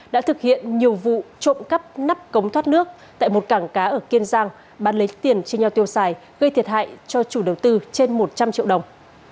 đã thực hiện nhiều vụ trộm cắp nắp cống thoát nước tại một cảng cá ở kiên giang bán lấy tiền chia nhau tiêu xài gây thiệt hại cho chủ đầu tư trên một trăm linh triệu đồng